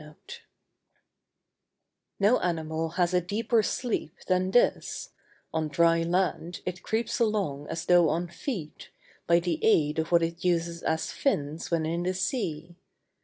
No animal has a deeper sleep than this; on dry land it creeps along as though on feet, by the aid of what it uses as fins when in the sea.